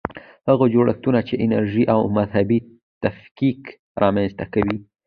هغه جوړښتونه چې نژادي او مذهبي تفکیک رامنځته کوي.